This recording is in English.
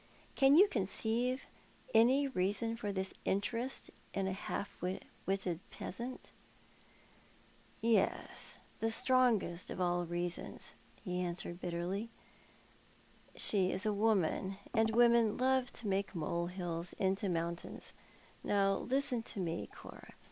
Can you conceive any reason for this interest in a half wutted peasant ?" "Yes; the strongest of all reasons," he answered bitterly; " she is a woman, and women love to make molehills into mountains. Now, listen to me, Cora.